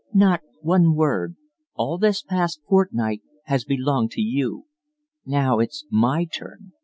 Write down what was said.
"Not one word! All this past fortnight has belonged to you; now it's my turn.